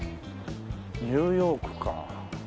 ニューヨークか。